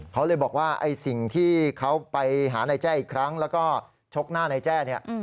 เขาเลยบอกว่าไอ้สิ่งที่เขาไปหานายแจ้อีกครั้งแล้วก็ชกหน้านายแจ้เนี่ย